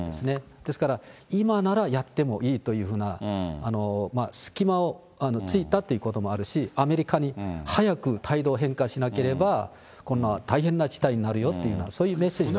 ですから、今ならやってもいいというふうな隙間を突いたということもあるし、アメリカに早く態度を変化しなければ、大変な事態になるよというそういうメッセージが。